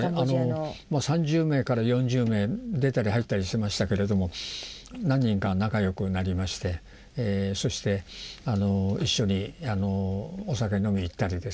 ３０名から４０名出たり入ったりしてましたけれども何人か仲良くなりましてそして一緒にお酒飲み行ったりなんかという番外もありました。